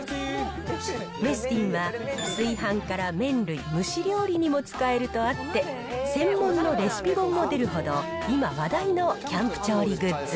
メスティンは炊飯から麺類、蒸し料理にも使えるとあって、専門のレシピ本も出るほど、今、話題のキャンプ調理グッズ。